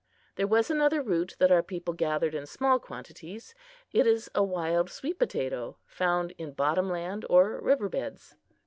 There was another root that our people gathered in small quantities. It is a wild sweet potato, found in bottom lands or river beds.